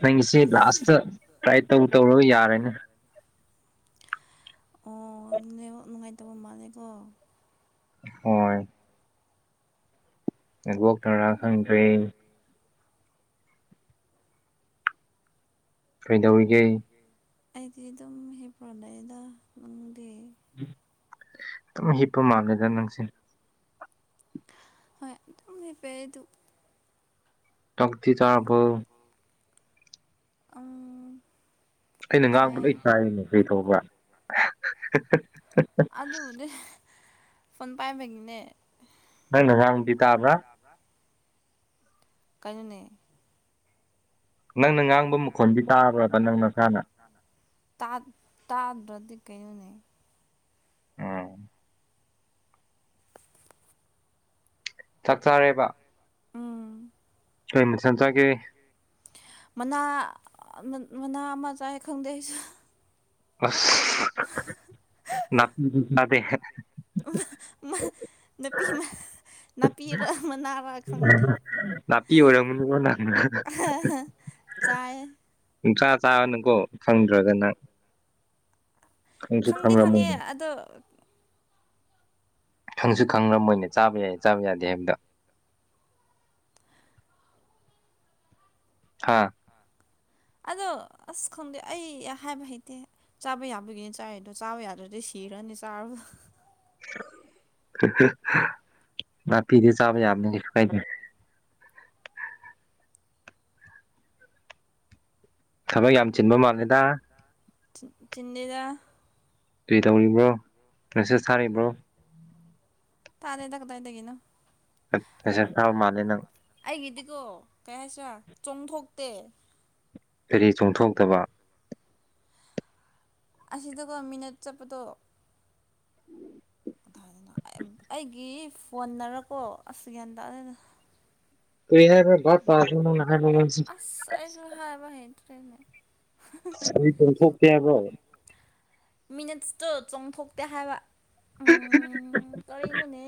ꯅꯪꯒꯤꯁꯤ last try ꯇꯧ ꯇꯧꯔꯒ ꯌꯥꯔꯦꯅꯦ ꯑꯣ ꯂꯦꯍ ꯅꯨꯡꯉꯥꯏ ꯇꯥꯕꯣ ꯃꯥꯅꯦꯀꯣ ꯍꯣꯏ ꯋꯣꯛ ꯇꯧꯔꯥ ꯈꯪꯗ꯭ꯔꯦ ꯀꯩꯗꯧꯔꯤꯒꯦ ꯑꯩꯗꯤ ꯑꯗꯨꯝ ꯍꯦ ꯄ꯭ꯔꯣꯗꯩꯗꯝ ꯑꯗꯨꯝ ꯍꯤꯞꯄ ꯃꯥꯜꯂꯦꯗ ꯅꯪꯁꯤ ꯍꯣꯏ ꯑꯗꯨꯄꯦꯗꯨ ꯇꯗꯤ ꯆꯔꯔꯕꯣ ꯑ ꯑꯩꯅ ꯉꯥꯡꯕ ꯂ ꯆꯥꯏꯌꯦꯅ ꯀꯩ ꯇꯧꯕ꯭ꯔ ꯑꯗꯨꯕꯨꯗꯤ ꯐꯣꯟ ꯄꯥꯏꯕꯒꯤꯅꯦ ꯅ ꯅ ꯌꯥꯝ ꯄꯤꯇꯥ ꯍꯥ꯭ꯔ ꯀꯩꯅꯅꯦ ꯅꯪꯅ ꯉꯥꯡꯕ ꯃꯈꯣꯟꯕꯤ ꯇꯥꯕ꯭ꯔꯕ ꯅꯪ ꯅꯁꯥꯅ ꯇꯥ ꯇꯥꯕꯗꯤ ꯀꯅꯦ ꯑꯥ ꯆꯥꯛ ꯆꯔꯦꯕ ꯎꯝ ꯍꯣꯏ ꯆ ꯃꯅꯥ ꯃꯅꯥ ꯑꯃ ꯆꯥꯏ ꯈꯪꯗꯦꯁ ꯑ ꯅꯗꯦ ꯅꯥꯄꯤ ꯔ ꯄꯤꯤ ꯑꯣꯏꯔꯅ ꯆꯥꯏ ꯊ꯭ꯔꯥ ꯆꯥꯕꯅꯨꯀꯣ ꯐꯪꯗ꯭ꯔꯒꯅꯪ ꯈꯪꯗꯦ ꯈꯪꯉꯦ ꯑꯗꯣ ꯈꯪꯁꯨ ꯈꯪꯅ ꯃꯣꯏꯅꯦ ꯆꯥꯕ ꯌꯥꯏꯌꯦ ꯆꯥꯕ ꯌꯥꯗꯦ ꯍꯥꯏꯕꯗ [inaudible] ꯍꯥ ꯑꯗꯣ ꯑꯁ ꯈꯪꯗꯦ ꯑꯩ ꯍꯥꯏꯕ ꯍꯩꯇꯦ ꯆꯥꯕ ꯌꯥꯕꯒꯤꯅꯤ ꯆꯥꯏꯗꯣ ꯆꯥꯕ ꯌꯥꯗ꯭ꯔꯗꯤ ꯁꯤ ꯍꯤꯔꯅꯤ ꯁꯥꯥꯕ ꯅꯥꯄꯤꯗꯤ ꯆꯥꯕ ꯌꯥꯕꯅꯤꯁꯨ ꯀꯥꯏꯗ ꯊꯕꯛ ꯌꯥꯝ ꯆꯤꯟꯕ ꯃꯥꯜꯂꯦꯗ ꯆ ꯆꯤꯟꯗꯤꯗ ꯀꯩ ꯇꯧꯔꯤꯕ꯭ꯔꯣ ꯃꯦꯁꯦꯁ ꯊꯥꯔꯤꯕ꯭ꯔꯣ ꯇꯥꯔꯦ ꯇ ꯇ ꯏꯗꯒꯤꯅ ꯄꯦꯁꯔꯠ ꯐ꯭ꯔ ꯃꯥꯅꯤ ꯅꯪ ꯑꯩꯒꯤꯗꯤꯀꯣ ꯀꯩ ꯍꯥꯏꯁꯤꯔꯥ ꯆꯣꯡꯊꯣꯛꯇꯦ ꯀꯔꯤ ꯆꯣꯡꯊꯣꯛꯇꯕ ꯑꯁꯤꯗꯀꯣ ꯃꯤꯅꯠ ꯆꯠꯄꯗꯣꯣ ꯑꯗꯨꯗꯅ ꯑꯩꯒꯤ ꯐꯣꯟꯅꯔꯀꯣ ꯑꯁ ꯌꯥ꯭ꯌꯥꯟ ꯇꯗꯅ ꯀꯔꯤ ꯍꯥꯏꯕꯥ ꯇ ꯍꯥꯏꯁꯤ ꯐ꯭ꯔꯦꯃꯦ ꯆꯣꯡꯊꯣꯛꯇꯦ ꯍꯥꯏꯕ꯭ꯔꯣ ꯃꯤꯅꯤꯠꯁꯇ ꯆꯣꯡꯊꯣꯛꯇꯦ ꯍꯥꯏꯕ ꯎꯝ ꯀꯔꯤꯅꯣꯅꯦ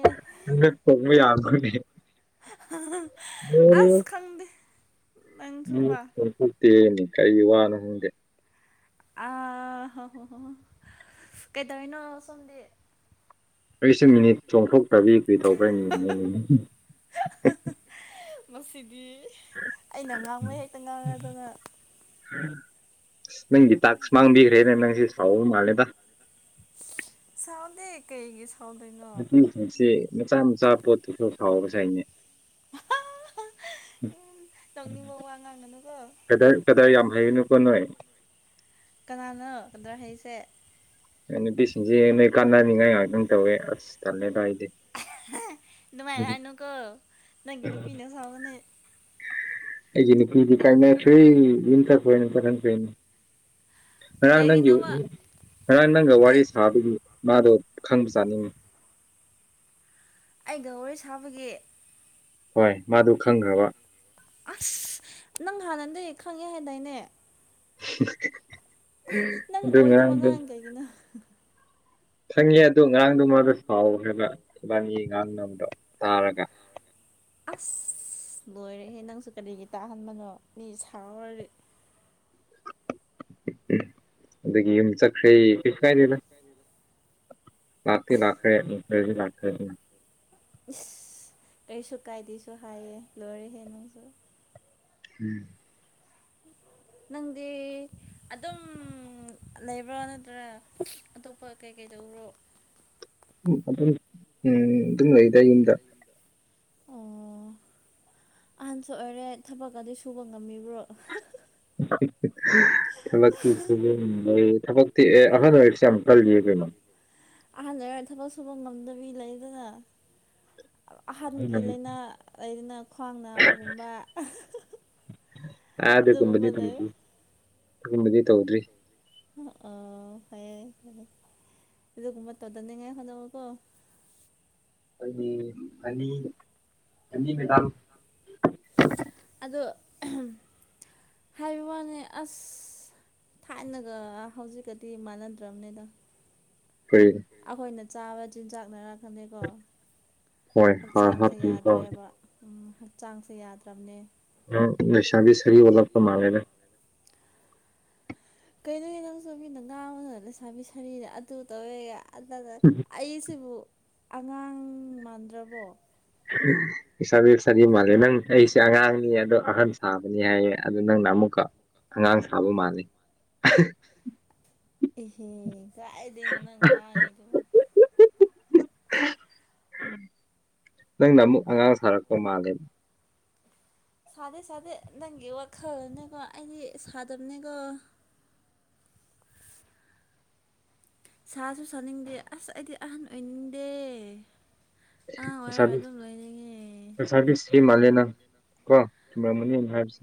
ꯅ ꯀꯣꯏ ꯌꯥꯗꯅꯤ ꯑꯁ ꯈꯪꯗ ꯎꯝꯠꯇꯅꯤ ꯀꯔꯤ ꯋꯥꯅ ꯍꯪꯗꯦ ꯑ ꯍꯣ ꯍꯣ ꯍ ꯀꯩꯗꯧꯅꯣ ꯁꯣꯝꯗꯤꯦ ꯑꯩꯁ ꯃꯤꯅꯤꯠ ꯆꯣꯡꯊꯣꯛꯇꯕꯤ ꯀꯔꯤ ꯇꯧꯕ꯭ꯔꯥ ꯉꯗꯤ ꯑꯩꯅ ꯉꯥꯡꯕ ꯍꯦꯛꯇ ꯉꯥꯡꯉꯦ ꯑꯗꯨꯅ ꯅꯪꯒꯤ ꯇꯥꯛ ꯃꯥꯡꯕꯤꯈ꯭ꯔꯦꯅꯦ ꯅꯪꯁꯤ ꯁꯥꯎꯕ ꯃꯥꯜꯂꯦꯗ ꯁꯥꯎꯗ ꯀꯩꯒꯤ ꯁꯥꯎꯗꯣꯏꯅꯣ ꯅꯨꯄꯤꯁꯤꯡꯁꯤ ꯃꯆꯥ ꯃꯆꯥ ꯄꯣꯠꯇꯨꯁꯨ ꯍꯥꯎꯕꯁꯅꯦ ꯎ ꯂꯧꯅꯤꯡꯕ ꯋꯥ ꯉꯥꯡꯅꯅꯨ ꯀꯗꯥ ꯀꯗꯥꯏ ꯌꯥꯝ ꯍꯥꯏꯩꯡꯅꯨꯀ ꯅꯣꯏ ꯀꯅꯥꯅꯣ ꯀꯗ꯭ꯔ ꯍꯥꯏꯁꯦ ꯑ ꯕꯤꯁꯤꯡꯁꯦ ꯅꯣꯏ ꯀꯥꯟꯅꯅꯤꯡꯉꯥꯏ ꯉꯥꯏꯍꯥꯛ ꯑꯗꯨꯝ ꯇꯧꯋꯦ ꯑꯁ ꯇꯜꯂꯦ ꯚꯥꯏꯗꯤꯦ ꯃꯥꯏ ꯍ ꯍꯥꯏꯅꯀꯣ ꯅꯪ ꯀꯅꯨ ꯄꯤꯅꯣ ꯆꯕꯅꯦ ꯑꯩ ꯀꯗꯤ ꯀꯥꯏꯅꯁꯨ ꯏꯇꯣꯏꯅꯤ ꯐꯅꯤ ꯉꯔꯥꯡ ꯅꯪꯒꯤ ꯀꯩꯒꯤꯅꯣꯕ ꯉꯔꯥꯡ ꯅꯪꯒ ꯋꯥꯔꯤ ꯀꯩ ꯁꯥꯕꯒꯤ ꯃꯥꯗꯣ ꯈꯪꯕ ꯆꯥꯅꯤꯡꯉꯤ ꯑꯩ ꯋꯥꯔꯤꯦ ꯁꯥꯕꯒꯤ ꯍꯣꯏ ꯃꯥꯗꯨ ꯈꯪꯈ꯭ꯔꯕ ꯑꯁ ꯅꯪ ꯍꯥꯟꯅꯟꯗꯦ ꯈꯪꯉꯦ ꯍꯥꯏꯦꯟꯗꯥꯏꯅꯦ [inaudible] ꯅꯪ ꯑꯗꯨ ꯉꯔꯥꯡꯗꯣ ꯑꯣꯏꯗꯕꯉꯥꯡꯈꯩꯒꯤꯅ ꯈꯪꯉꯦ ꯑꯗꯣ ꯑꯔꯥꯡꯗꯣ ꯃꯥꯗꯣ ꯁꯥꯎ꯭ꯔꯦꯕ ꯏꯕꯥꯅꯤꯒꯤ ꯑꯉꯥꯡ ꯅꯗꯣ ꯇꯥꯔꯒ ꯑꯁ ꯂꯣꯏꯔꯦꯍꯦ ꯅꯪꯁꯨ ꯀꯔꯤꯒꯤ ꯇꯥꯍꯟꯕꯅꯣ ꯃꯤ ꯁꯥꯎꯔꯗꯤ ꯑꯗꯒꯤ ꯌꯨꯝ ꯆꯈꯩ ꯀꯥꯔꯤꯂ [inaudible] ꯂꯥꯛꯇꯩ ꯂꯥꯛꯈꯔ ꯖꯤ [inaudible] ꯂꯥꯛꯊꯣꯏꯅꯤ ꯀꯩꯁꯨ ꯀꯥꯏꯗꯦꯁꯨ ꯍꯥꯏꯌꯦ ꯂꯣꯏꯔꯦ ꯍꯦ ꯅꯪꯁꯨ ꯎꯝ ꯅꯪꯗꯤ ꯑꯗꯨꯝ ꯂꯩꯕ꯭ꯔꯥ ꯅꯠꯇ꯭ꯔꯥ ꯑꯇꯣꯞꯄ ꯀꯩꯀꯩ ꯇꯧꯕꯔꯣ ꯎ ꯑꯗꯨꯝ ꯎꯝ ꯑꯗꯨꯝ ꯂꯩꯗ ꯌꯨꯝꯗ ꯑꯣ ꯑꯍꯟꯁꯨ ꯑꯣꯏꯔꯦ ꯊꯕꯛ ꯑꯗꯨ ꯁꯨꯕ ꯉꯝꯃꯤꯕ꯭ꯔꯣ ꯊꯕꯀꯤ ꯊꯕꯛ ꯑꯍꯥ ꯑꯣꯏ ꯑꯍꯥꯟꯕ ꯊꯕꯛ ꯁꯨꯕ ꯉꯝꯗꯕꯤ ꯂꯩꯗꯅ ꯑꯍꯟꯒꯤ ꯑꯍꯟ ꯂꯥꯏꯅꯥ ꯂꯩꯅ ꯈ꯭ꯋꯥꯡ ꯅꯥꯕꯒꯨꯝꯕ ꯑꯗꯦ ꯑꯗꯨꯒꯨꯝꯕ ꯀꯅꯤ [inaudible] ꯂꯩ ꯇꯗ ꯀꯨꯝꯅꯤ ꯇꯧꯗ꯭ꯔꯤ ꯑꯣ ꯐꯩꯑ ꯑꯗꯨ ꯀꯗ ꯇꯗꯗꯤꯉꯥꯏ ꯍꯅꯕꯀꯣ ꯑꯩꯅꯤ ꯍꯅꯤ ꯃꯦꯗꯥꯝ ꯑꯣ ꯍꯥꯏꯕ ꯋꯥꯅꯦ ꯑꯁ ꯊꯥꯏꯅꯒ ꯍꯧꯖꯤꯛꯀꯗꯤ ꯃꯥꯟꯅꯗ꯭ꯔꯕꯅꯤꯗ ꯀꯔꯤ ꯑꯩꯈꯣꯏꯅ ꯆꯥꯕ ꯆꯤꯟꯖꯥꯛꯅꯔ ꯑꯗꯨꯗꯩꯀꯣ ꯍꯣꯏ ꯍꯣꯏ ꯍꯛꯆꯥꯡꯁꯦ ꯍꯥꯞꯄꯤꯀꯣ ꯌꯥꯗ꯭ꯔꯦꯕ ꯎꯝ ꯍꯛꯆꯥꯡꯁꯦ ꯌꯥꯗ꯭ꯔꯕꯅꯦ ꯅꯁꯥꯗꯤ ꯁꯔꯤ ꯑꯣꯂꯞ ꯀ ꯃꯥꯅꯦꯅꯦ ꯀꯩꯅꯣꯒꯤ ꯅꯪꯁꯨ ꯃꯤꯅ ꯉꯥ ꯑꯃꯅ ꯂꯩꯁꯥꯕꯤ ꯁꯥꯔꯤꯗ ꯑꯗꯨ ꯇꯧꯔꯦꯒ ꯑꯗꯨꯗ ꯑꯩꯁꯤꯕꯨ ꯑꯉꯥꯡ ꯃꯥꯟꯗ꯭ꯔꯕꯣ ꯏꯁꯥꯕꯤ ꯁꯥꯗꯤ ꯃꯥꯜꯂꯦ ꯅꯪ ꯑꯩꯁꯦ ꯑꯉꯥꯡꯅꯤ ꯑꯗꯣ ꯑꯍꯟ ꯁꯥꯕꯅꯤ ꯍꯥꯏꯌꯦ ꯑꯗꯨ ꯅꯪꯅ ꯑꯃꯨꯛꯀ ꯑꯉꯥꯡ ꯁꯥꯕ ꯃꯥꯜꯂꯤ ꯍꯦ ꯀꯥꯏꯗꯅ ꯅꯪ ꯉꯉꯤꯗꯨꯕꯨ ꯅꯪꯅ ꯑꯃꯨꯛ ꯑꯉꯥꯡ ꯁꯥꯔꯛꯄ ꯃꯥꯜꯂꯦ ꯁꯥꯗꯦ ꯁꯥꯗꯦ ꯅꯪꯒꯤ ꯋꯥꯈꯜꯂꯅꯦꯀꯣ ꯑꯩꯗꯤ ꯁꯥꯗꯕꯅꯦꯀꯣ ꯁꯥꯁꯨ ꯁꯥꯅꯤꯡꯗꯦ ꯑꯁ ꯑꯩꯗꯤ ꯑꯍꯟ ꯑꯣꯏꯅꯤꯡꯗꯦ ꯑꯉꯥꯡ ꯑꯣꯏꯔ ꯁꯥꯕꯤ ꯑꯗꯨꯝ ꯂꯣꯏꯅꯤꯡꯉꯦ ꯁꯥꯕꯤ ꯁ꯭ꯔꯤ ꯃꯂꯦ ꯀꯣ ꯀ [inaudible] ꯍꯥꯏꯁ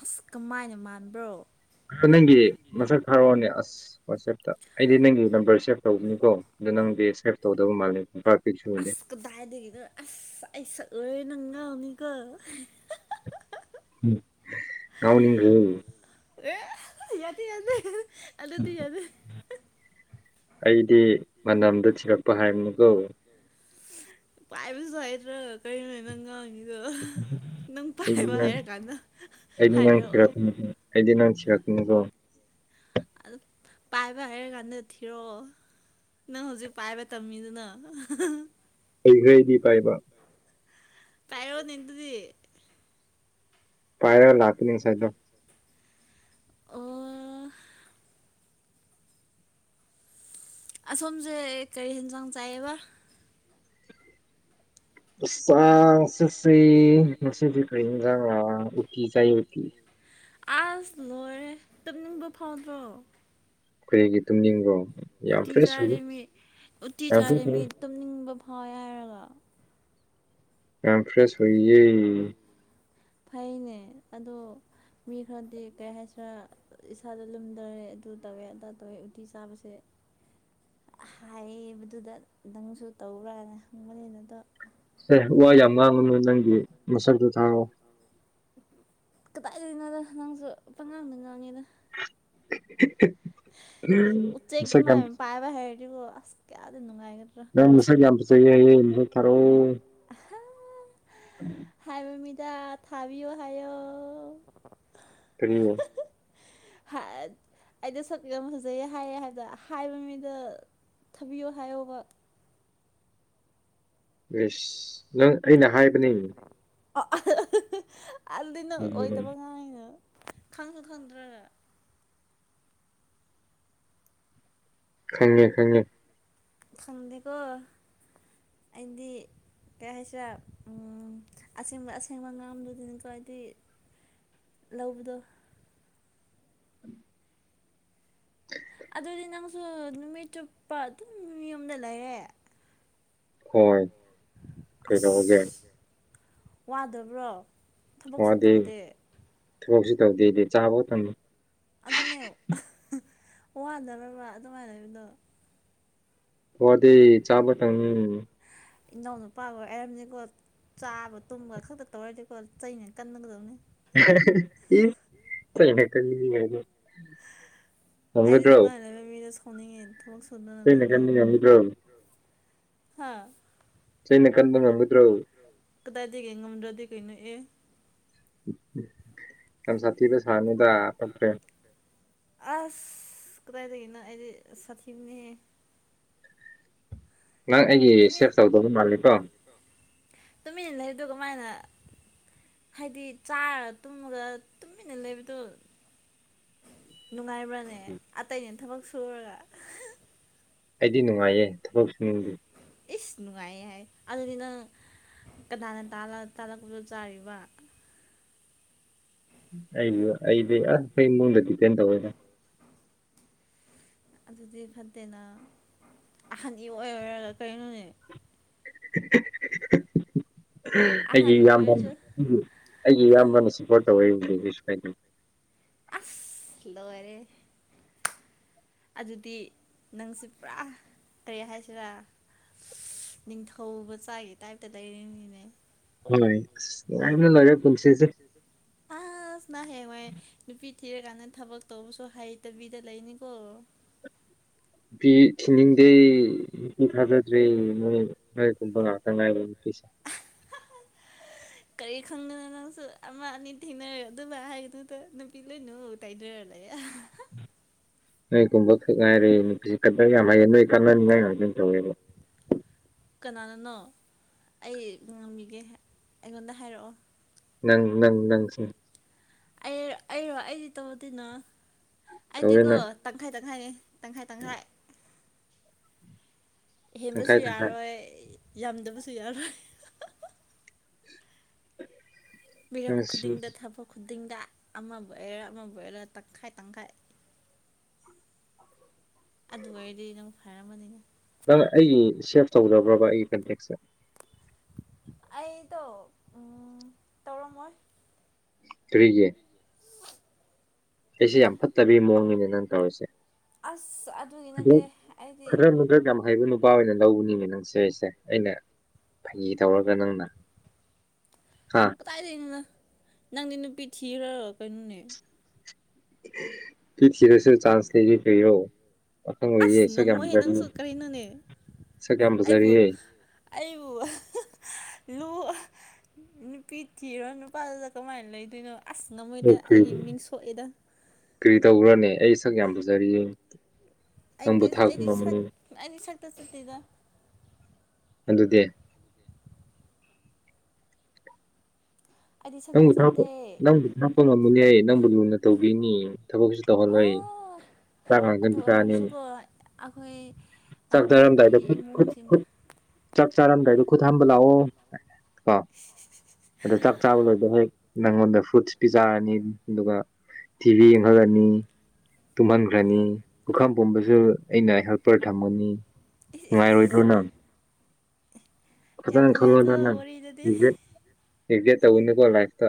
ꯑꯁ ꯀꯃꯥꯏꯅ ꯃꯥꯟꯕ꯭ꯔꯣ ꯑ ꯅꯪꯒꯤ ꯃꯁꯛ ꯊꯥꯔꯛꯑꯣꯅꯦ ꯑꯁ ꯋꯥꯆꯦꯞꯇ ꯑꯩꯗꯤ ꯅꯪꯒꯤ ꯅꯝꯕꯔ ꯁꯦꯚ ꯇꯧꯕꯅꯤꯀꯣ ꯑꯗꯣ ꯅꯪꯗꯤ ꯁꯦꯞ ꯇꯧꯗ ꯃꯥꯜꯂꯦ ꯅꯨꯄꯥ ꯄꯤꯛꯁꯨ ꯎꯗꯦ ꯑꯁ ꯀꯗꯥꯏꯗꯅ ꯑꯁ ꯑꯩꯁ ꯅꯪꯅ ꯃꯤꯒ ꯑꯥꯎꯅꯤꯡ ꯑꯦ ꯌꯥꯗꯤ ꯌꯥꯗꯦ ꯑꯗꯨꯗꯤ ꯌꯥꯗꯦ ꯑꯩꯗꯤ ꯃꯅꯝꯗ ꯊꯤꯔꯛꯄ ꯍꯥꯏꯕꯅꯤ ꯀꯣ ꯄꯥꯏꯕꯁꯨ ꯍꯥꯏꯗ꯭ꯔ ꯀꯩꯅ ꯅꯪꯒꯥꯡ ꯅꯪ ꯑꯩꯗꯤ ꯄꯥꯏꯕ ꯅꯪ ꯍꯥꯏꯔ ꯀꯥꯟꯗ ꯑꯩꯗꯤ ꯅꯪ ꯁꯤꯔꯛꯀꯅꯤ ꯑꯩꯗꯤ ꯅꯪꯁꯤꯔꯛꯀꯅꯤꯀꯣ ꯑ ꯄꯥꯏꯕ ꯍꯥꯏꯔ ꯀꯥꯟꯗ ꯊꯤꯔꯛꯑꯣ ꯅꯪ ꯍꯧꯖꯤꯛ ꯄꯥꯏꯕ ꯇꯝꯃꯤꯗꯨꯅ ꯍꯩꯈ꯭ꯔꯩꯗꯤ ꯄꯥꯏꯕ ꯇꯥꯏꯔ ꯅꯤꯡꯅꯤꯗꯨꯗꯤ ꯄꯥꯏꯔꯒ ꯂꯄꯤ ꯁꯥꯏꯗꯣ ꯑꯣ ꯑꯁꯣꯝꯁꯦ ꯀꯔꯤ ꯌꯦꯦꯟꯁꯥꯡ ꯆꯥꯏꯑꯕ ꯆꯁ ꯉꯁꯁꯤ ꯀꯔꯤꯖ ꯎꯇꯤ ꯆꯏ ꯎꯇ ꯑꯁ ꯂꯣꯏꯔꯦ ꯇꯨꯝꯅꯤꯡꯕ ꯐꯥꯎꯗ꯭ꯔꯣ ꯑꯩꯈꯣꯏꯒꯤ ꯇꯨꯝꯅꯤꯡꯕꯣ ꯎꯇꯤ ꯆꯥꯔꯦꯃꯤ ꯎꯇꯤ ꯆꯥꯔꯦ ꯃꯤ ꯑꯣꯏꯌꯦ ꯇꯨꯝꯅꯤꯡꯕ ꯐꯥꯎ ꯍꯥꯏꯔꯒ ꯌꯥꯝꯌꯥꯝ ꯐ꯭ꯔꯦꯁ ꯍꯌꯦ ꯐꯩꯅꯦ ꯑꯗꯣ ꯃꯤ ꯈꯔꯗꯤ ꯀꯔꯤ ꯍꯥꯏꯁꯤꯔ ꯏꯁꯥꯗ ꯂꯨꯝꯗꯔꯦ ꯑꯗꯨ ꯇꯧꯋꯦ ꯑꯗꯥ ꯇꯧꯋꯦ ꯎꯇꯤ ꯆꯥꯕꯁꯦ [inaudible] ꯍꯥꯏꯕꯗꯨꯗ ꯅꯪꯁꯨ ꯇꯧꯔꯅꯦ ꯍꯪꯕꯅꯤꯅꯗꯣ ꯑꯦꯦ ꯋꯥ ꯌꯥꯝ ꯉꯥꯡꯕꯅꯤ ꯅꯪꯒꯤ ꯃꯁꯛꯇꯨ ꯊꯥꯔꯛꯑꯣ ꯀꯗꯥꯏꯗꯒꯤꯅꯣꯗ ꯅꯪꯁꯨ ꯄꯪꯉꯥꯡꯗ ꯉꯥꯡꯉꯦꯗ [inaudible] ꯎ ꯎꯆꯦꯛ ꯇ ꯃꯁꯛ ꯃꯥ ꯌꯥꯝ ꯄꯥꯏꯕ ꯍꯦꯗꯤꯣ ꯑꯁꯀꯥꯗ ꯅꯨꯡꯉꯥꯏꯒ ꯅꯪ ꯃꯁꯛ ꯌꯥꯝ ꯐꯖꯩ ꯍꯥꯏꯌꯦ ꯃꯁꯛ ꯊꯥꯔꯛꯑꯣ [unintelligible] ꯍꯥꯏꯕꯃꯤꯗꯥ ꯊꯥꯕꯤꯌꯣ ꯍꯥꯏꯌꯣ ꯀꯩꯅ ꯑꯩꯗꯣ ꯁꯛ ꯌꯥꯝ ꯐꯖꯩꯌꯦ ꯍꯥꯏꯌꯦ ꯍꯥꯏꯕ ꯍꯥꯏꯕ ꯃꯤꯗ ꯊꯥꯕꯤꯌꯣ ꯍꯥꯏꯌꯒ ꯁ ꯅꯪ ꯑꯩꯅ ꯍꯥꯏꯕꯅꯤ ꯑꯗꯨꯗꯤꯅ ꯑꯣꯏꯗꯕ ꯉꯥꯡꯅ ꯈꯪꯁꯨ ꯈꯪꯗ꯭ꯔ ꯈꯪꯉꯦ ꯈꯪꯉꯦ ꯈꯪꯗꯦꯀꯣ ꯑꯗꯤ ꯀꯩ ꯍꯥꯏꯁꯦ ꯑꯁꯦꯡꯕ ꯑꯁꯦꯡꯕ ꯉꯥꯝꯗꯨꯗꯅꯤꯀꯣ ꯍꯥꯏꯗꯤ ꯂꯗ ꯑꯗꯨꯗꯤ ꯅꯪꯁꯨ ꯅꯨꯃꯤꯠ ꯆꯨꯞꯄ ꯑꯗꯨꯝ ꯌ ꯌꯣꯗ ꯂꯩꯔꯦ ꯍꯣꯏ ꯀꯩꯩꯅꯣꯒꯦ ꯋꯥꯗꯕ꯭ꯔꯣ ꯊꯕꯛꯁꯨ ꯇꯧꯗꯦ ꯀꯣꯛꯁꯤ ꯇꯧꯗꯦꯗꯤ ꯆꯥꯕꯥꯎ ꯇꯝꯅꯤ ꯑꯗꯨꯅꯦ ꯋꯥꯗꯔꯕ ꯑꯗꯨꯃꯥꯏꯅꯕꯗꯣ ꯍꯗꯤ ꯆꯥꯄꯇꯅꯤ ꯏꯅꯥꯎꯅꯨꯄꯥꯕꯨ ꯍꯥꯏꯔꯝꯅꯤꯀꯣ ꯆꯥꯕ ꯇꯨꯝꯕ ꯈꯛꯇ ꯇꯧꯔꯗꯤꯀꯣ ꯆꯩꯅ ꯀꯟꯅꯒꯗꯕꯅꯤ ꯆ ꯀ ꯑꯗꯤ ꯑꯗꯨꯃ ꯍꯅ ꯃꯤꯔ ꯁꯣꯅꯤꯡꯉꯦ ꯁꯤꯅ ꯀꯅꯤꯗ ꯍꯥꯥ ꯆꯩꯅ ꯀꯟꯗ ꯉ ꯃꯗ꯭ꯔꯣ ꯀꯗꯥꯗꯤ ꯀꯩ ꯉ ꯃꯗꯔꯗꯤ ꯀꯩꯅꯣ ꯑꯦ ꯌꯥꯝꯝ ꯁꯥꯇꯗ ꯁꯔꯅꯤꯗ ꯑ ꯐ꯭ꯔ ꯑꯁ ꯀꯗꯥꯏꯗꯒꯤꯅꯣ ꯑꯩꯗꯤ ꯁꯥꯊꯤꯅꯦ ꯅꯪ ꯑꯩꯒꯤ ꯁꯦꯞ ꯇꯧꯗꯕ ꯃꯥꯜꯂꯤꯀꯣ ꯇꯨꯃꯤ ꯂꯩꯗꯨ ꯀꯃꯥꯏꯅ ꯍꯥꯏꯗꯤ ꯆꯥꯔꯒ ꯇꯨꯝꯃꯒ ꯇꯨꯝꯃꯤꯟꯅ ꯂꯩꯕꯗꯣ ꯅꯨꯡꯉꯥꯏꯕ꯭ꯔꯅꯦ ꯑꯇꯩꯅꯦ ꯊꯕꯛ ꯁꯨꯔꯒ ꯑꯩꯗꯤ ꯅꯨꯡꯉꯥꯏꯌꯦ ꯊꯕꯛ ꯁꯨꯕꯤ ꯅꯨꯡꯉꯥꯏ ꯍꯥꯏ ꯑꯗꯨꯗꯨꯅ ꯀꯅꯥꯅ ꯇꯥꯜꯂꯛꯄꯗꯨ ꯆꯥꯔꯤꯕ ꯑꯩꯁꯨ ꯑꯩꯗꯤ ꯑꯁ ꯑꯩ ꯏꯃꯨꯡꯗ ꯗꯤꯄꯦꯟ ꯇꯧꯋꯦꯅ ꯑꯗꯨꯗꯤ ꯐꯠꯇꯦꯅ ꯑꯍꯟꯒꯤ ꯑꯣꯏꯔ ꯑꯣꯏꯔꯒ ꯀꯔꯤꯩꯅꯣꯅꯦ ꯑꯩꯒꯤ ꯑꯍꯟ ꯌꯥꯝꯕ ꯑꯣꯏꯔꯁꯨ ꯑꯩꯒꯤ ꯏꯌꯥꯝꯕꯅ ꯁꯞꯄꯣꯔꯠ ꯇꯧꯋꯦ ꯁꯗ ꯑꯁ ꯂꯔꯦ ꯑꯗꯨꯗꯤ ꯅꯪꯁꯦ ꯄꯨꯔꯥ ꯀꯔꯤꯦ ꯍꯥꯏꯁꯤꯔ ꯅꯤꯡꯊꯧ ꯃꯆꯥꯒꯤ ꯇꯥꯏꯞꯇ ꯂꯩꯅꯤꯅꯦ ꯍꯣꯏꯦ ꯑꯅ ꯍꯦꯉꯥꯏ ꯅꯨꯄꯤ ꯊꯤꯔꯀꯥꯟꯗ ꯊꯕꯛ ꯇꯧꯕꯁꯨ ꯍꯩꯇꯕꯤꯗ ꯂꯩꯅꯤꯀꯣ ꯐꯤ ꯊꯤꯅꯤꯡꯗꯦ ꯅꯨꯄꯤ ꯊꯥꯖꯗ꯭ꯔꯦ ꯃꯣꯏ ꯍꯣꯏ ꯅꯥꯇꯉ ꯎꯤꯁ ꯀꯔꯤ ꯈꯪꯗꯅꯣ ꯅꯪꯁꯨ ꯑꯃ ꯑꯅꯤ ꯊꯦꯡꯅꯔ ꯑꯗꯨ ꯍꯥꯏꯗꯨꯗ ꯅꯨꯄꯤ ꯂꯩꯣꯏꯅꯨ ꯇꯥꯏꯗꯔꯅꯤ ꯎꯝ ꯅꯣꯏꯒꯨꯝꯕ ꯈ ꯉꯥꯏꯔꯦ ꯅꯨꯄꯤꯁꯤ ꯈꯛꯇꯪ ꯌꯥꯝ ꯍꯩꯌꯦ ꯅꯣꯏ ꯀꯥꯟꯅꯅꯤꯡꯉꯥꯏ ꯉꯇꯝ ꯇꯧꯋꯦꯕ ꯀꯅꯥꯅꯅꯣ ꯑꯩ ꯉ ꯉꯝꯃꯤꯒꯦ ꯑꯩꯉꯣꯟꯗ ꯍꯥꯏꯔꯛꯑꯣ ꯅꯪ ꯅꯪ ꯅꯪ ꯑꯩ ꯑꯩꯔꯣ ꯑꯩꯗꯤ ꯇꯧꯗꯅꯣ ꯇꯧꯋꯦ ꯑꯩꯗꯤꯀꯣ ꯅꯪ ꯇꯪꯈꯥꯏ ꯇꯪꯈꯥꯏꯅꯤ ꯇꯪꯈꯥꯏ ꯇꯪꯈꯥꯏ ꯍꯦꯟꯕꯁꯨ ꯇꯪꯈꯥꯏ ꯇꯪꯈꯥꯏ ꯌꯥꯔꯣꯏ ꯌꯥꯝꯗꯕꯁꯨ ꯌꯥꯔꯣꯏ [unintelligible] ꯃꯤꯔꯝ ꯅꯪ ꯁꯤ ꯈꯨꯗꯤꯡꯗ ꯊꯕꯛ ꯇꯤꯡꯗ ꯑꯃꯕꯨ ꯑꯣꯏꯔ ꯑꯃꯕꯨ ꯑꯣꯏꯔ ꯇꯪꯈꯥꯏ ꯇꯪꯈꯥꯏ ꯑꯗꯨ ꯑꯣꯏꯔꯗꯤ ꯅꯪ ꯐꯔꯝꯃꯅꯤꯅ ꯅꯪ ꯑꯩꯒꯤ ꯁꯦꯞ ꯇꯧꯖꯕ꯭ꯔꯕ ꯑꯩꯒꯤ ꯀꯟꯇꯦꯛꯁꯦ ꯑꯩꯗꯣ ꯇꯧꯔꯝꯃꯣꯏ ꯀꯔꯤꯒꯤꯦ ꯑꯩꯁꯦ ꯌꯥꯝ ꯐꯠꯇꯕ ꯃꯑꯣꯡꯅꯤꯅꯦ ꯅꯪ ꯇꯧꯔꯤꯁꯦ ꯑꯁ ꯑꯗꯨꯒꯤ ꯗ ꯅꯠꯇꯦ ꯑꯩꯗꯤ ꯈꯔ ꯅꯨꯡꯗꯛ ꯌꯥꯝ ꯍꯩꯕ ꯅꯨꯄꯥ ꯑꯣꯏꯅ ꯂꯧꯅꯤꯅꯦ ꯅꯪꯁ ꯑꯩꯁꯦ ꯑꯩꯅ ꯐꯒꯤ ꯇꯧꯔꯒ ꯅꯪꯅ ꯍꯥ ꯀꯗꯥꯏꯗꯅꯣꯅ ꯅꯪꯗꯤ ꯅꯨꯄꯤ ꯊꯤꯈ ꯀꯩꯅꯣꯅꯦ ꯄ ꯊꯔꯁ ꯆꯥꯟꯁ ꯂꯩꯕꯤ ꯐꯣ ꯑꯁ ꯅꯃꯣꯍꯦ ꯅꯪꯁꯨꯨ ꯀꯔ ꯏꯅꯅꯦ ꯁꯛ ꯌꯥꯝ ꯑꯩꯕꯨ ꯐꯖꯔꯤꯌꯦ ꯑꯩꯕꯨ ꯂꯨ ꯅꯨꯄꯤ ꯊꯤꯔꯣ ꯅꯨꯄꯥꯗꯨꯗ ꯀꯃꯥꯏꯅ ꯂꯩꯗꯣꯏꯅꯣ ꯑꯁ ꯉꯝꯃꯣꯏꯗ ꯀ ꯑꯩꯒꯤ ꯃꯤꯡ ꯁꯣꯛꯑꯦꯗ ꯀꯔꯤ ꯇꯧꯈ꯭ꯔꯅꯦ ꯑꯩ ꯁꯛ ꯌꯥꯝ ꯄꯨꯖꯔꯤꯌꯦꯦ ꯑꯩꯒꯤ ꯑꯩꯗꯤ ꯁ ꯑꯩꯗꯤ ꯁꯛꯇ ꯆꯠꯇꯦꯗ ꯑꯗꯨꯗꯤ ꯑꯩꯗꯤ ꯁꯛꯇ ꯅꯪꯕꯨ ꯊꯔꯛꯄ ꯆꯠꯇꯦ ꯅꯪꯕꯨ ꯊꯥꯔꯛꯄ ꯉꯝꯃꯅꯤ ꯑꯩ ꯅꯪꯕꯨ ꯂꯨꯅ ꯇꯧꯈꯤꯅꯤ ꯊꯕꯛꯁꯨ ꯇꯧꯍꯜꯂꯣ ꯑꯩ ꯑꯣ ꯑꯗꯨ ꯑꯣꯏꯔꯁꯨꯀꯣ ꯑꯩꯈꯣꯏ ꯑꯩꯈꯣꯏꯒꯤ ꯆꯥꯛꯗꯥꯔꯝꯗꯥꯏꯗ ꯏꯃꯨꯡꯁꯤꯡ ꯆꯥꯛ ꯆꯥꯔꯝꯗꯥꯏꯗꯣ ꯈꯨꯠ ꯍꯥꯝꯕ ꯂꯥꯛꯑꯣ ꯀꯣ ꯑꯗꯣ ꯑꯗꯨꯗ ꯍꯦꯛ ꯅꯪꯉꯣꯟꯗ ꯐꯨꯠꯁ ꯄꯤꯖꯥꯅꯤ ꯑꯗꯨꯒ ꯇꯤꯚꯤ ꯏꯪꯈꯂ꯭ꯔꯥꯅꯤ ꯇꯣꯍꯥꯟꯒ꯭ꯔꯥꯅꯤ ꯎꯈꯥ ꯄꯨꯝꯝꯕꯁꯨ ꯑꯩꯅ ꯍꯦꯜꯄꯔ ꯊꯝꯒꯅꯤ ꯏꯁ ꯏꯁ ꯅꯨꯡꯉꯥꯏꯔꯣꯏꯗꯣꯏꯅ ꯌꯥꯝ ꯐꯖꯅ ꯅꯨꯡꯉꯥꯏꯀꯣ ꯈꯜꯂꯣꯗ ꯅꯪ ꯋꯥꯔꯤꯗꯗꯤ ꯑꯦꯛꯦ ꯑꯦꯛꯖꯦꯠ ꯇꯧꯅꯤꯀꯣ ꯂꯥꯏꯐꯇ